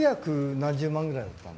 何十万ぐらいだったの。